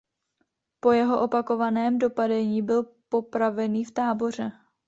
Po jeho opakovaném dopadení byl popravený v Táboře.